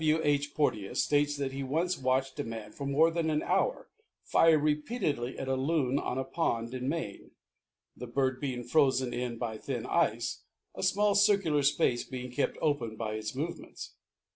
W. H. Porteous states that he once watched a man for more than an hour fire repeatedly at a Loon on a pond in Maine, the bird being frozen in by thin ice, a small circular space being kept open by its movements.